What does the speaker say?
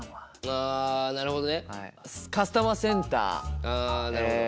あなるほど。